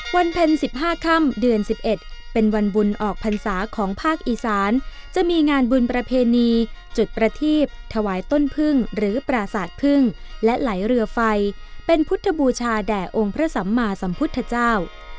วันเพ็ญ๑๕ค่ำเดือน๑๑เป็นวันบุญออกพรรษาของภาคอีสานจะมีงานบุญประเพณีจุดประทีบถวายต้นพึ่งหรือปราศาสตร์พึ่งและไหลเรือไฟเป็นพุทธบูชาแด่องค์พระสัมมาสัมพุทธเจ้า